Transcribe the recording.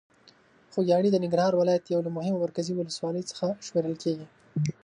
خوږیاڼي د ننګرهار ولایت یو له مهمو مرکزي ولسوالۍ څخه شمېرل کېږي.